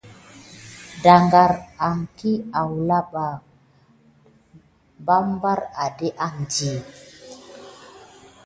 Daŋgar iki awula ɓa barbar adéke andi.